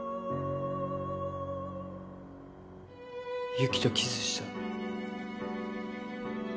ユキとキスした。